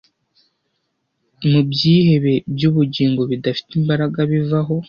Mubyihebe byubugingo bidafite imbaraga bivaho!